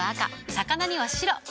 魚には白。